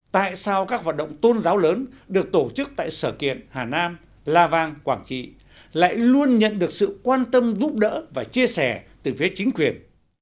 tại sao các hoạt động tôn giáo lớn được tổ chức tại sở kiện hà nam la vang quảng trị lại luôn nhận được sự quan tâm giúp đỡ và chia sẻ từ phía chính quyền